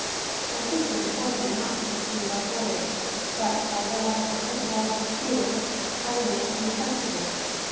My sister implored me not to continue our voyage; but, although I partook of all her fears, I remained inflexible.